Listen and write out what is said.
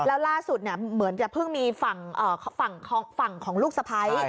แล้วล่าสุดเหมือนจะเพิ่งมีฝั่งของลูกสะพ้าย